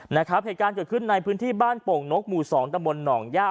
เหตุการณ์เกิดขึ้นในพื้นที่บ้านโป่งนกหมู่สองตะบนหนองย่า